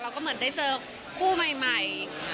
แล้วก็เหมือนได้เจอคู่ใหม่